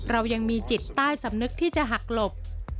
เรายังมีจิตใต้สำนึกที่จะหักหลบ